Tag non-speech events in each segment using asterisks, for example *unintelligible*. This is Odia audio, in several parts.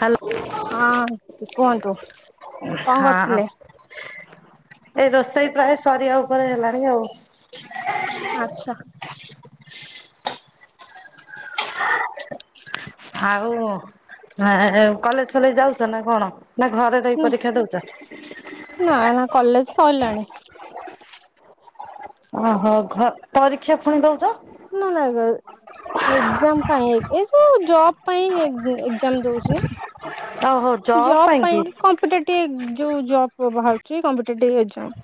ହାଲୋ ହଁ କୁହନ୍ତୁ କଣ କରୁଥିଲେ? ଏଇ ରୋଷେଇ ପ୍ରାୟ ସରିବା ଉପରେ ହେଲାଣି ଆଉ। ଆଛା। ଆଉ କଲେଜ୍ ଫଲେଜ୍ ଯାଉଛ ନା କଣ ନା ଘରେ ରହି ପରୀକ୍ଷା ଦୋଉଛ। ନାଁ ନାଁ କଲେଜ୍ ସଇଲାଣି। ଓହୋ ଘ ପରୀକ୍ଷା ଫୁଣି ଦୋଉଚ। ନାଁ ନାଁ ନାଗ ଏଜାମ ପାଇଁ ଏ ଯୋଉ ଜବ ଜବ ପାଇଁ ଏକଜାମଦୋଉଚି। ଓହୋ ଜବ୍ ଜବ କି? ପାଇଁ କମ୍ପିଟେଟିବ ଯୋଉ ଯବ ବାହାରୁଛି କମ୍ପିଟେଟିବ ଏକ୍ସାମ୍।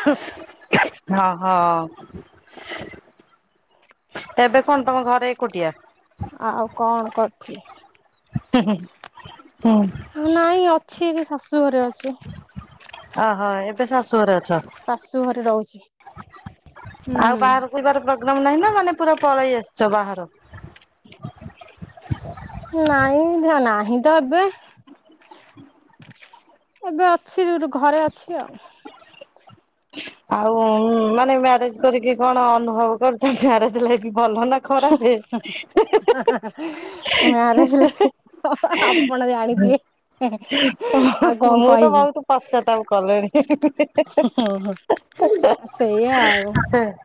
ହୁଁ ହଁ। ହଁ ଏବେ କଣ ତମେ ଘରେ ଏକୁଟିଆ। ଆଉ କଣ କରିବି। ହୁଁ ହୁଁଁ। ନାଇଁ ଅଛି ଏଇଟି ଶାଶୁ ଘରେ ଅଛି। ଅହୋ ଏବେ ଶାଶୁ ଘରେ ଅଛ। ଶାଶୁ ଘରେ ରହୁଛି। ଆଉ ହୁଁ ବାହାରକୁ ଯିବାର ପ୍ରୋଗ୍ରାମ ନାହିଁ ନା ମାନେ ପୁରା ପଳେଇ ଆସିଛ ବାହାରୁ? ନାଇଁ ନାହିଁ ତ ଏବେ ଏବେ ଅଛି ଯୋଉଠି ଘରେ ଅଛି ଆଉ। ଆଉ ମାନେ ମ୍ୟାରେଜ କରିକି କଣ ଅନୁଭବ କରୁଛନ୍ତି ମ୍ୟାରେଜ ଲାଇଫ ଭଲ ନା ଖରା ପେ ହେଁ ହେଁ। ଉଁ ଉଁ ମ୍ୟାରେଜ ଲାଇଫ ହିଁ ହଁ ଆପଣ ଜାଣିଥିବେ? ଆଉ କଣ ମୁଁ ତ କହିବି ବହୁତ ପଶ୍ଚାତାପ କଲିଣି ହେଁ ହେଁ ହଉ ହଉ। ହେଁ। ଆ ସେଇଆ ଆଉ *unintelligible*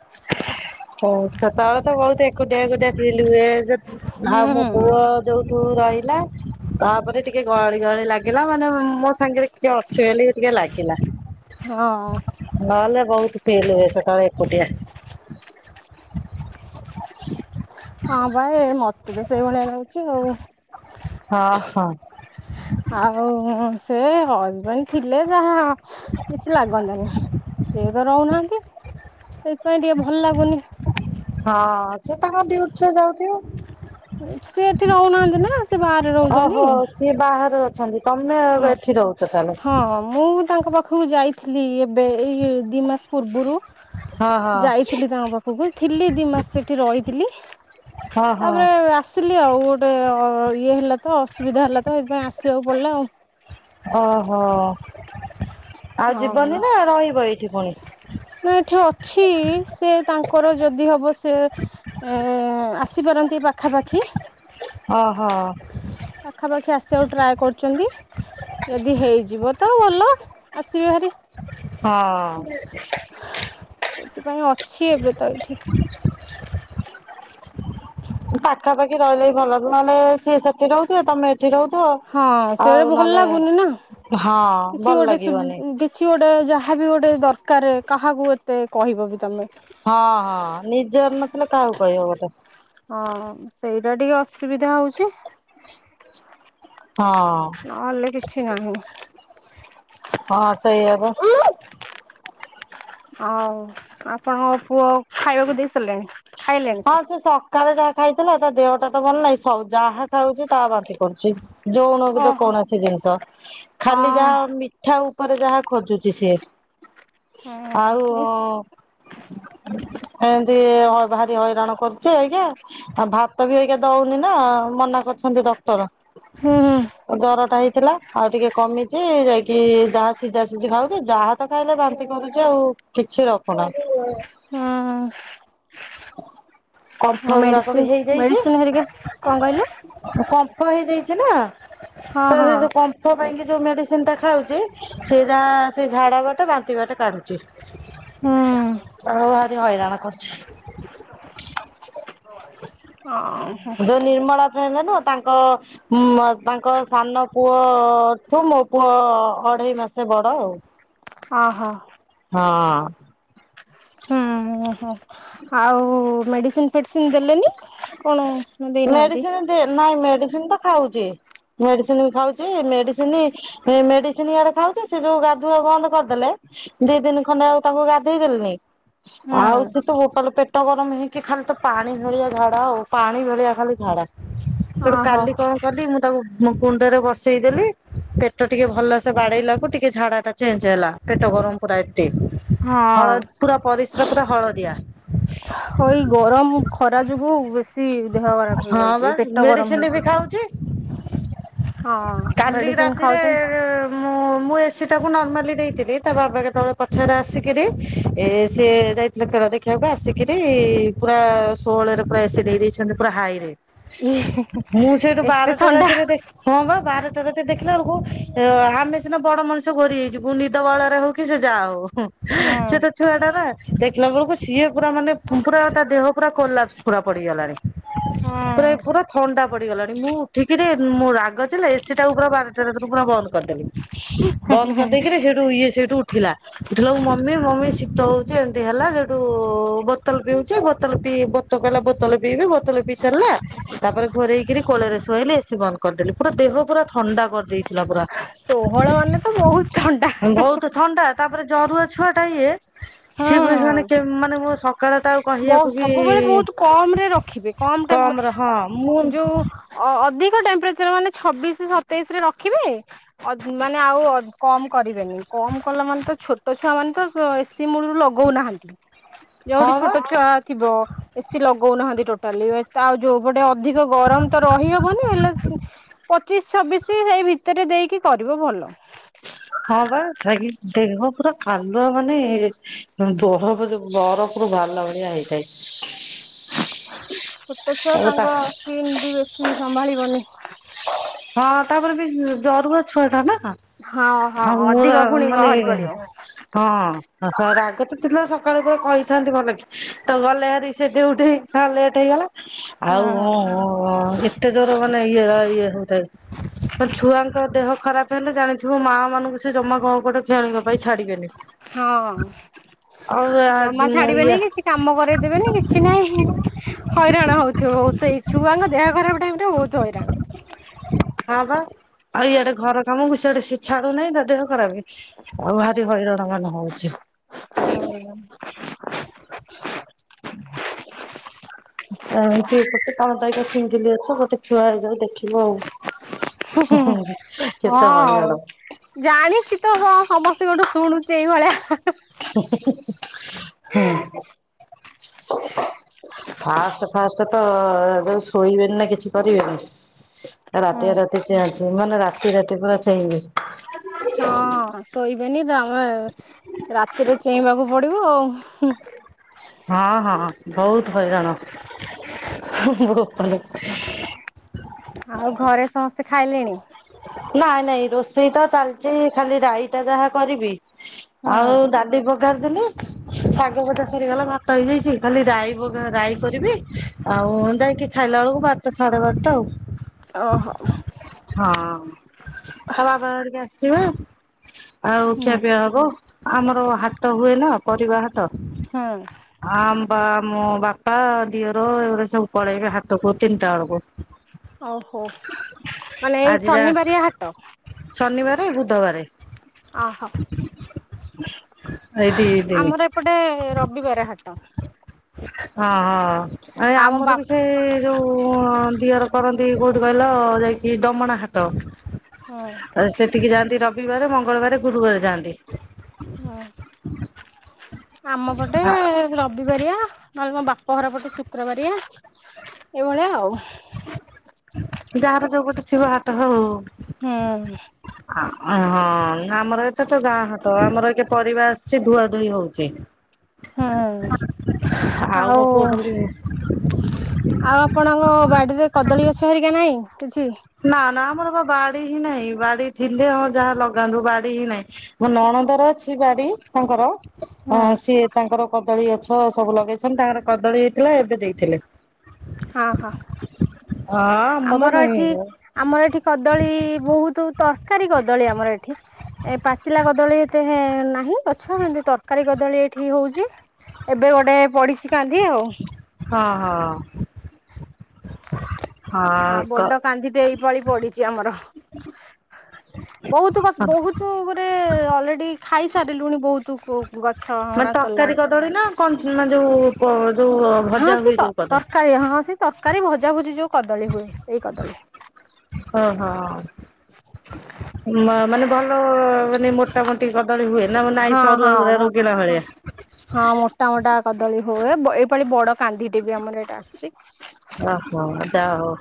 ସେତବେବଳେ ତ ବହୁତ ଏକୁଟିଆ ଏକୁଟିଆ ଫିଲ୍ ହୁଏ। ଯେ ଆଉ ମୋ ହୁଁ ପୁଅ ଯୋଉଠୁ ରହିଲା- - ତାପରେ ଟିକେ ଗହଳି ଗହଳି ଲାଗିଲା ମାନେ ମୋ ସାଙ୍ଗରେ କିଏ ଅଛ ବୋଲି ଟିକେ ଲାଗିଲା। ହଁ ନହେଲେ ବହୁତ ଫେିଲ୍ ହୁଏ ସେତେଳେ ବହୁତ୍ ଏକୁଟିଆ। ହଁ ବା ମତେ ତ ସେଇଭଳିଆ ଲାଗୁଚି ଆଉ। ହଁ ହଁ ଆଉ ସେ ହ- - ରହିଥିଲେ ଯାହା କିଛି ଲାଗନ୍ତାନି। ସେ ତା ରହୁନାହାନ୍ତି। ସେଥିପାଇଁ ଟିକେ ଭଲ ଲାଗୁନି। ହଁ ସେ ତାଙ୍କ ଡ୍ୟୁଟିରେ ଯାଉଥିବ। ସେ ଏଠି ରହୁନାହାନ୍ତି ନା ସେ ବାହାରେ ଓହୋ ରହୁଚନ୍ତି। ସିଏ ବାହାରେ ଅଛନ୍ତି। ତମେ ଏଠି ରହୁଚ ହଁ ତାହେଲେ। ମୁଁ ତାଙ୍କ ପାଖ ଖୁ ଯାଇଥିଲି ଏବେ ଏଇ ଦୁଇ ମାସ ପୂର୍ବରୁ ହଁ ହଁ ଯାଇଥିଲି ତାଙ୍କ ପାଖକୁ ଥିଲି ଦି ମାସ ସେଠି ରହିଥିଲି। ହଁ ତାପରେ ହଁ। ଆସିଲି ଆଉ ଗୋଟେ ଅ ଇଏ ହେଲା ତ ଅସୁବିଧା ହେଲା ତ ସେଥିପାଇଁ ଆସିବାକୁ ପଡିଲା ଆଉ। ଓହୋ, ଆଉ ହଁ ଯିବନି ନା ରହିବ ଏଇଠି ପୁଣି। ନା ଏଠି ଅଛି। ସେ ତାଙ୍କର ଯଦି ହବ ସେ ଉଁ ଉଁ ଆସିପାରନ୍ତି ପାଖାପାଖି। ଅ ହ। ପାଖାପାଖି ଆସିଆକୁ ଟ୍ରାଏ କରୁଚନ୍ତି। ଯଦି ହେଇଯିବ ତ ଭଲ ଆସିବେ ହେରି। ଆଁ ସେଥିପାଇଁ ଅଛି ଏବେ ତ ଏଇଠି। ପାଖାପାଖି ରହିଲେ ଭଲ ନହେଲେ ସିଏ ସେ ଠି ରହୁଥିବେ ତମେ ଏଠି ରହୁଥିବ ହଁ ସେଟା ଆଉ ଭଲ ନଏଲେ ଲାଗୁନି ନା ହଁ, କିଛି ଭଲ ଗୋଟେ ସୁବି ଲାଗିବନି। କିଛି ଗୋଟେ ଯାହା ବି ଗୋଟେ ଦରକାରେ କାହାକୁ ଏତେ କହିବ ବି ତମେ। ହଁ ହଁ ନିଜର ନଥିଲେ କାହାକୁ କହିବ ଗୋଟେ। ହଁ, ସେଇଟା ଟିକେ ଅସୁବିଧା ହଉଚି। ହଁ। ନହେଲେ କିଛି ନାହିଁ। ହଁ ସେଇଆ ବା। ଆଉ ଆପଣଙ୍କ ପୁଅ ଖାଇଆକୁ ଦେଇ ସାରିଲେଣି? ହଁ ସେ ସ ସକାଳେ ଯାହା ଖାଇଥିଲା ତା ଦେହଟା ତ ଭଲ ନାଇ ସ ଯାହା ଖାଉଚି ତାହା ବାନ୍ତି କରୁଚି। ଯୋଉଣ କୁ ତ ଓହୋ କୌଣସି ଜିନିଷ ହଁ ଖାଲି ଯାହା ମୀ ମିିଠା ଉପରେ ଯାହା ଖୋଜୁଚି ସିଏ ଆଉ। ହଁ ଏସ୍ ଏମିନ୍ତି ଭାରି ହଇରାଣ କରୁଚି ଏଇକା ଆଉ ଭାତ ବି ଏଇକା ଦଉନି ନା ମନା କରିଛନ୍ତି ଡକ୍ଟର। ହୁଁ ହୁଁ ଜର ଟା ହେଇଥିଲା ଆଉ ଟିକେ କମିଚି ଯାଇକି ଯାହା ସିଝା ସିଝି ଖାଉ। ଚି ଯାହା ତ ଖାଇଲେ ବାନ୍ତି କରୁଚି ଆଉ କିଛି ରଖୁନାହିଁ। ହଁ। କମ୍ଫ ଗୁଡାକ ବି ହେଇଯାଇଚି ମେଡିସିନ ହେରିକା କଣ କହିଲେ? କମ୍ଫ ହେଇଯାଇଚି ନା। ହ। ତା ସେ ଯୋଉ କମ୍ଫ ପାଇଁକି ଯୋଉ ମେଡିସିନ ଟା ଖାଉଚି ସେଇଟା ସେ ଝାଡା ବାଟେ ବାନ୍ତି ବାଟେ କାଢୁଚି। ହୁଁ ଆଉ ଭାରି ହଇରାଣ କରୁଚି। ଅ ହଁ। ଯୋଉ ନିର୍ମଳା କହିଲା ନା ତାଙ୍କ ତାଙ୍କ ସାନ ପୁଅ। ହଁ ଠୁ ମୋ ପୁଅ ଅଢେଇ ମାସେ ବଡ ଆଉ। ଅ ହ। ହଁ। ହୁଁ ହଁ ଆଉ ମେଡିସିନ୍ ମେଡ଼ିସିନ୍ ଦେଲେନି କଣ ନା ଦେଇନାହାନ୍ତି? ସେ ନାଇଁ ମେଡିସିନ ତ ଖାଉଚି ମେଡିସିନ ବି ଖାଉ ଚି ମେଡିସିନି ମେଡ଼ିସିନି ଇଆଡେ ଖାଉଚି। ଚି ସେ ଯୋଉ ଗାଧୁଆ ବନ୍ଦ କରିଦେଲେ ଦି ଦିନ ଖଣ୍ଡେ ଆଉ ତାଙ୍କୁ ଗାଧେଇ ଦେଲିନେହିଁ। ଆଉ ହୁଁ ସେ ତ ଭୋପାଲୋ ପେଟ ଗରମ ହେଇକି ଖାଲି ତ ପାଣି ଭଳିଆ ଝାଡା ଆଉ ପାଣି ଭଳିଆ ଖାଲି ଝାଡା। ସେଠୁ ଓହୋ କାଲି କଣ କଲି ମୁଁ ତାକୁ ମୁଁ କୁଣ୍ଡରେ ବସେଇଦେଲି। ପେଟ ଟିକେ ଭଲସେ ବାଡେଇଲାକୁ ଟିକେ ଝାଡା ଟା ଚେଞ୍ଜେ ହେଲା ପେଟ ଗରମ ପୁରା ଏତେ। ହଳ ହଁ। ପୁରା ପରିସ୍ରା ପୁରା ହଳଦିଆ। ହୋଇ ଗରମ ଖରା ଯୋଗୁ ବେଶୀ ଦେହ ଖରାପ ହଁ ବା ହେଇଯାଉଚି ପେଟ ମେଡିସିନ ଗରମ ବି ହେଇ ଖାଉଛି କାଲି ମେଡିସିନ ରାତିରେ। ଖାଉଛନ୍ତି ମୁଁ ମୁଁ ଏସିି ଟାକୁ ନର୍ମାଲି ଦେଇଥିଲି ତା ବାବା କେତୋ ଳେ ପଛରେ ଆସିକିରି ଏ ସିଏ ଯା ଖେଳ ଦେଖିବାକୁ ଆସିକିରି ପୁରା ଷୋହଳରେ ପୁରା ଏସି ଦେଇଦେଇଛନ୍ତି ପୁରା ହାଇ ରେ। ମୁଁ ସେଇଠୁ ଏତେ ବାରଟା ଥଣ୍ଡା ରାତିରେ ଦେ ହଁ ବା ବାରଟା ରାତିରେ ଦେଖିଲା ବେଳକୁ ଆମେ ସିନା ବଡ ମଣିଷ ଘୋରେଇ ହେଇଯିବୁ ନିଦ ବଉଳାରେ ହୋଉ। କି ସେ ଯାହା ହୋଉ ସେ ହୁଁ। ତ ଛୁଆ ଟା ଦେଖିଲା ବେଳକୁ ସିଏ ପୁରା ମାନେ ପୁରା ତା ଦେହ ପୁରା କଲାପସ୍ ପୁରା ପଡିଗଲାଣି। ପୁରା ହୁଁ ପୁରା ଥଣ୍ଡା। ପଡିଗଲାଣି ମୁଁ ଉଠିକିରି ମୋ ରାଗ ଚିଡିଲା ଏସି ଟାକୁ ପୁରା ବାରଟା ରତିରୁ ପୁରା ବନ୍ଦ। କରିଦେଲି ବନ୍ଦ କରିଦେଇକିରି ସେଇଟୁ ଇଏ ସେଇଟୁ ଉଠିଲା। ଉଠିଲା ବୋଳକୁ ମମି ମମି ଶୀତ ହୋଉଚି ଏମିତି ହେଲା ସେଉଠୁ ବୋତଲ ପିଉଚି ବୋତଲ ପିଇ ଵୋ ତ କହିଲା ବୋଲ ପିଇବି ବୋତଲ ପିଇ ସାରିଲା ତାପରେ ଘରେଇକିରି କୋଳରେ ଶୁଆଇଲି ଏସିି ବନ୍ଦ କରିଦେଲି। ପୁରା ଦେହ ପୁରା ଥଣ୍ଡା ପ ଦେଇଥିଲା ପୁରା ଷୋହଳ ମାନେ ତ ବହୁତ ଥଣ୍ଡା ଭୋଉତୁ ଥଣ୍ଡା। ତାପରେ ଜରୁଆ ଛୁଆ ଟା ଇଏ। ସିଏ ପା ଆଜି ହୁଁ। ମାନେ କେ ମାନେ ମୁଁ ସକାଳେ ତା ଆଉ କହିବାକୁ କି କମ୍ ରେ ରଖିବେ କମ୍ ଟା ମୁଁ ଯୋଉ ଅ ଅଧିକ ଟେମ୍ପରେଚର ମାନେ ଛବିଶି ସତେଇଶି ରେ ରଖିବେ। ଅ ମାନେ ଆଉ ଅ କମ କରିବେନି କମ କଲା ମାନେ ତ ଛୋଟ ଛୁଆ ମାନେ ତ ଏସି ସି ମୂଳରୁ ଲଗଉନାହାନ୍ତି ଯୋଉଠି ହଁ ବା ଛୋଟ ଛୁଆ ଥିବ, ଏସି ଲଗଉନାହାନ୍ତି ଟୋଟାଲି। ଆଉ ଯୋଉପଟେ ଅଧିକ ଗରମ ତ ରହିହବନି ହେଲେ ପଚିଶ ଛବିଶି ହେଇ ଭିତରେ ଦେଇକି କରିବ ଭଲ। ହଁ ପା ଯାଇ ଦେହ ପୁରା ଖାଲୁଆ ମାନେ ବହପ ଯୋ ବରଫ ଫୁରୁ ବାହାରିଲା ଭଳିଆ ହେଇଥାଏ। ଛୋଟ ଛୁଆ ଆଉ ତା ତାଙ୍କ ସ୍କିନ୍ ବି ବେଶୀ ସମ୍ଭାଳିବନି। ହଁ ତାପରେ ବି ଜରୁଆ ଛୁଆ ଟା ନା। ହଁ ହଁ ଆଉ ମୋର ଅଧିକ ପୁଣି ମାନେ ବାହାରି ପଡିବ। ହଁ। ହସ ରାଗ ତ ଚିଡିଲା ସକାଳୁ ପୁରା କହିଥାନ୍ତି ଭଲକି ତ ଗଲେ ବାହାରି ସେଠି ଉଠିକି ଲେଟ୍ ହେଇଗଲା। ଆଉ ହୁଁ। ହଁ, ହଁ, ହଁ ଏତେ ଜୋର ମାନେ ଇଏ ଇଏ ହଉ *unintelligible* ଛୁଆଙ୍କ ଦେହ ଖରାପ ହେଲେ ଜାଣିଥିବ ମା ମାନଙ୍କୁ ସେ ଜମା କଣ କଟେ କ୍ଷଣିଙ୍କ ପାଇଁ ଛାଡିବେନି। ହଁ ଆଉ ଜମା ଇଏ ଛାଡିବେନି କି କିଛି କାମ କରେଇ ଦେବେନି କିଛି ନାହିଁ। ହଇରାଣ ହଉଥିବ *unintelligible* ସେଇ ଛୁଆଙ୍କ ଦେହ ଖରାପ ଟାଇମ ରେ ବହୁତ ହଇରାଣ। ହଁ ପା ଆଉ ଇଆଡେ ଘର କାମକୁ ସେଆଡେ ଛାଡୁ ନାହିଁ ତା ଦେହ ଖରାପେ ଆଉ ଭାରି ହଇରାଣ ମାନ ହଉଛି। ହଉ ହଉ। *inaudible* ଏମିତି କରୁଛି ତମେ ତ ଏଇନା ସିଙ୍ଗିଲି ଅଛ ଗୋଟେ ଛୁଆ ହେଇଯାଉ ଦେଖିବ ଆଉ। ହୁଁ ହୁଁ ହୁଁ *unintelligible* କେତେ ହଁ ହଇରାଣ। ଜାଣିଛି ତ ହ ସମସ୍ତଙ୍କଠୁ ଶୁଣୁଛି ଏଇଭଳିଆ। *unintelligible* ହୁଁ। ଫାଷ୍ଟ ଫାଷ୍ଟ ତ ଏବେ ଶୋଇବେନି ନା କିଛି କରିବେନି, ରାତି ରାତି ଚିଆଞ୍ଚି ମାନେ ରାତି ରାତି ପୁରା ଚେଇଁବେ। ହଁ ଶୋଇବେନି ତ ଆମେ ରାତିରେ ଚେଇଁବାକୁ ପଡ଼ିବ ଆଉ। ହଁ, ହଁ, ହଁ ବହୁତ୍ ହଇରାଣ। ହୁଁ, ହୁଁ ଵୋପା ଲୋ। ଆଉ ଘରେ ସମସ୍ତେ ଖାଇଲେଣି? ନାଇଁ ନାଇଁ ରୋଷେଇ ତ ଚାଲିଚି, ଖାଲି ରାଈଟା ଯାହା କରିବି। ଆଉ ଡାଲି ପକାନ୍ତିନି ଶାଗ ଭଜା ସରିଗଲା ଭାତ ହେଇଯାଇଚି, ଖାଲି ରାଇ ପଘା ରାଇ କରିବି ଆଉ ଯାଇକି ଖାଇଲା ବେଳକୁ ବାରଟା ସାଢ଼େ ବାରଟା ଆଉ। ଓହୋ ହଁ, ଆଉ ବାପ ହେରିକା ଆସିବେ, ଆଉ ଖିଆ ହୁଁ ପିଆ ହବ। ଆମର ହାଟ ହୁଏ ନା, ପରିବା ହାଟ ହଁ। ଆମ ବା ମୋ ବାପା ଦିଅର ଏଗୁଡ଼ ସବୁ ପଳେଇବେ ହାଟକୁ ତିନିଟା ବେଳକୁ। ଓହୋ। ମାନେ ଏଇ ଆଜି ଯା, ଶନିବାରିଆ ହାଟ ଶନିବାରେ, ବୁଧବାରେ। ଓହୋ ଏଇ ଦିଦିନି। ଆମର ଏପଟେ ରବିବାର ହାଟ। ହଁ, ହଁ, ହଁ ଏ ଆମ ଆମର ବାପ ବି ସେ ଯୋଉ ଉ ଦିଅର କରନ୍ତି କୋଉଠି କହିଲ ଯାଇକି ଡମଣା ହାଟ ହୁଁ ଆରେ ସେଟିକି ଯାଆନ୍ତି ରବିବାର, ମଙ୍ଗଳବାର, ଗୁରୁବାର ଯାଆନ୍ତି। ଆମ ପଟେ ରବିବାରିଆ ନହେଲେ ମୋ ବା ପ ଘର ପଟେ ଶୁକ୍ରବାରିଆ ଏଇଭଳିଆ ଆଉ। ଯାହାର ଯଉ ପଟେ ଥିବ ହାଟ ହଉ ହଉ। ହୁଁ- ଆମ ହଁ ଆମର ଏତ ତ ଗାଁ ହାଟ ଆମର ଏଠି ପରିବା। ସେ ଧୁଆ ଧୁଇ ହଉଚି। ହୁଁ ଆଉ। ମୋ ପୁଅ ଖାଲି ଆଉ ଆପଣଙ୍କ ବାଡିରେ କଦଳୀ ଗଛ ହିରିକା ନାହିଁ କିଛି। ନାଁ ନାଁ ଆମର ବା ବାଡି ହିଁ ନାହିଁ ବାଡି ଥିଲେ ହଁ ଯାହା ଲଗାନ୍ତୁ ବାଡି ହିଁ ନାହିଁ। ମୋ ନଣଦର ଅଛି ବାଡି ତାଙ୍କର ଅଁ ହୁଁ ସିଏ ତାଙ୍କର କଦଳୀ ଗଛ ସବୁ ଲଗେଇଚନ୍ତି, ତାଙ୍କର କଦଳୀ ହେଇଥିଲା ଏବେ ଦେଇଥିଲେ। ହଁ ହଁ ହଁ ଆମର ନାହିଁ। ଆମର ଏଠି କଦଳୀ ବହୁତ ତରକାରୀ କଦଳୀ ଆମର ଏଠି। ଏ ପାଚିଲା କଦଳୀ ଏତେ ହେଁ ନାହିଁ ଗଛ ଏମତି ତରକାରୀ କଦଳୀ ଏଠି ହଉଚି। ଏବେ ଗୋଟେ ପଢିଛି କାନ୍ଧି ଆଉ। ହଁ ହଁ ଆ କ ବଡ କାନ୍ଧି ଟେ ଏଇ ପାଳି ପଡିଚି ଆମର। ବହୁତ ଗୋ ବହୁତ ଗୋଟ ଅଲରେଡି ଖାଇ ସାରିଲୁଣି ବହୁତ କୁ ମାନେ ତରକାରୀ କଦଳୀ ନା କଣ ମାନେ ଯୋଉ କ ଯୋଉ। ହଁ ଭଜା ସେ ହୁଏ ତ ଯୋଉ କଦଳୀ? ତରକାରୀ ହଁ ସେ ତରକାରୀ ଭଜା ଭୁଜି ଯୋଉ କଦଳୀ ହୁଏ। ସେଇ କଦଳୀ। ହଁ ହଁ ମାନେ ଭଲ ମାନେ ମୋଟା ମୋ କଟି କଦଳୀ ହୁଏ ନାଁ ମୁ ହଁ ନାଇଁ ହଁ ସରୁଆ ସରୁଆ ମୋ ରୋଗିଣା ଭଳିଆ। ହଁ, ମୋଟା ମୋଟା କଦଳୀ ହୁଏ ଏଇପାଳି ବଡ କାନ୍ଧିଟେ ବି ଆମର ଏଇଟା ଆସିଚି। ଓହୋ ଯା ହଉ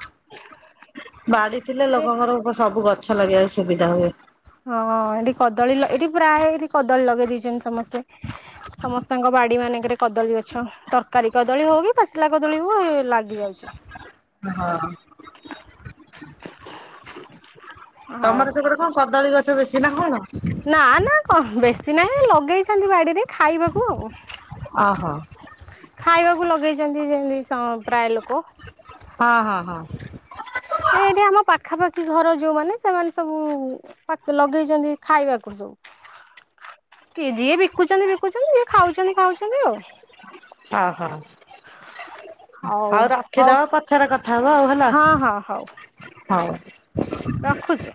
ବାଡି ଥିଲେ ଲୋକଙ୍କର ସବୁ ଗ ଗଛ ଲାଗେଇ ସୁବିଧା ହୁଏ। ହଁ ହଁ ଏଟି କଦଳୀ ଏଠି ପ୍ରାଏ ଏଟି କଦଳୀ ଲଗେଇ ଦେଇଚନ୍ତି ସମସ୍ତେ। ସମସ୍ତଙ୍କ ବାଡି ମାନେଙ୍କରେ କଦଳୀ ଗଛ। ତରକାରୀ କଦଳୀ ହଉ କି ପାଚିଲା କଦଳୀ ହୋଉ ଲାଗି ଯାଉଚି। ହଁ- ହଉ ତମର ସେପଟେ କଣ କଦଳୀ ଗଛ ବେଶୀ ନା କଣ। ନା ନା କ ବେଶୀ ନାହିଁ ଲଗେଇଚନ୍ତି ବାଡିରେ ଖାଇବାକୁ ଆଉ। ଓହୋ। ଖାଇବାକୁ ଲଗେଇଚନ୍ତି ଯେମିତି ପ୍ରାୟ ଲୋକ। ହଁ ହଁ ହଁ ସେ ଏଇଠି ଆମ ପାଖାପାଖି ଘର ଯୋଉମାନେ ସେମାନେ ସବୁ ଲଗେଇଛନ୍ତି। ଖାଇବାକୁ ସବୁ। କିଏ ଯିଏ ବିକୁଛନ୍ତି ବିକୁଛନ୍ତି ଯିଏ ଖାଉଛନ୍ତି ଖାଉଛନ୍ତି ଆଉ। ଓହୋ ହଉ ଆଉ ହଉ ରଖିଦବା ପଛରେ କଥା ଥା ହବା ଆଉ ହେଲା ହଁ ହଁ ହଉ। ରଖୁଛି‌।